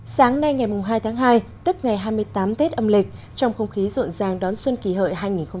sáng nay ngày hai tháng hai tức ngày hai mươi tám tết âm lịch trong không khí rộn ràng đón xuân kỳ hợi hai nghìn một mươi chín